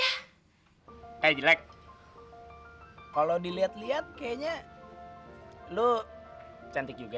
eh jelek kalo diliat liat kayaknya lu cantik juga ya